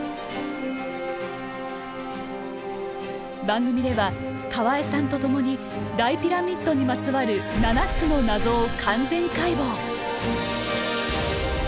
番組では河江さんと共に大ピラミッドにまつわる「七つの謎」を完全解剖。